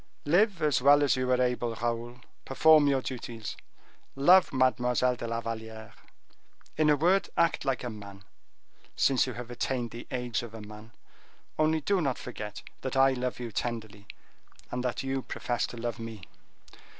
Live as well as you are able, Raoul, perform your duties, love Mademoiselle de la Valliere; in a word, act like a man, since you have attained the age of a man; only do not forget that I love you tenderly, and that you profess to love me."